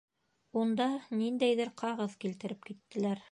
Унда ниндәйҙер ҡағыҙ килтереп киттеләр.